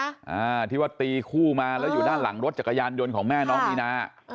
อ่าที่ว่าตีคู่มาแล้วอยู่ด้านหลังรถจักรยานยนต์ของแม่น้องมีนา